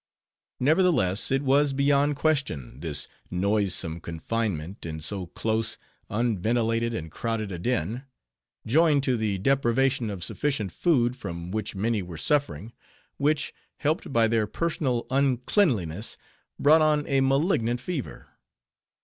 Nevertheless, it was, beyond question, this noisome confinement in so close, unventilated, and crowded a den: joined to the deprivation of sufficient food, from which many were suffering; which, helped by their personal uncleanliness, brought on a malignant fever.